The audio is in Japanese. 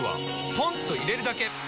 ポンと入れるだけ！